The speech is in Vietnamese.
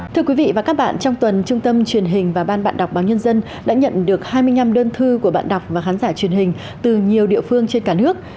thưa quý vị và các bạn trong tuần trung tâm truyền hình và ban bạn đọc báo nhân dân đã nhận được hai mươi năm đơn thư của bạn đọc và khán giả truyền hình từ nhiều địa phương trên cả nước